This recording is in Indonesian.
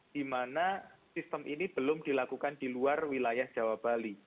di mana sistem ini belum dilakukan di luar wilayah jawa bali